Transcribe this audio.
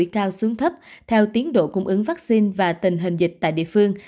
cao xuống thấp theo tiến độ cung ứng vaccine và tình hình dịch tại địa phương